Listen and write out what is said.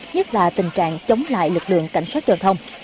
nhất là tình trạng chống lại lực lượng cảnh sát giao thông